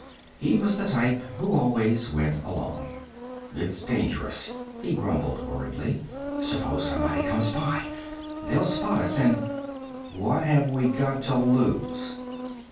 He was the type who always went along. "It's dangerous," he grumbled worriedly. "Suppose somebody comes by? They'll spot us and " "What have we got to lose?"